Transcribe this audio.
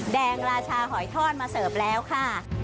รางราชาหอยทอดมาเสิร์ฟแล้วค่ะ